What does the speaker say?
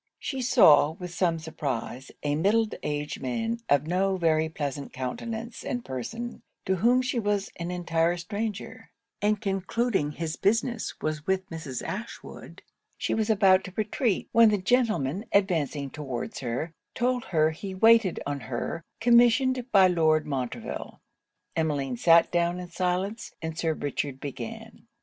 She saw, with some surprise, a middle aged man, of no very pleasant countenance and person, to whom she was an entire stranger; and concluding his business was with Mrs. Ashwood, she was about to retreat, when the gentleman advancing towards her, told her he waited on her, commissioned by Lord Montreville. Emmeline sat down in silence, and Sir Richard began.